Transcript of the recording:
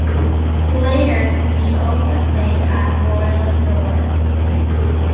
Later he also played at Royal Tilleur.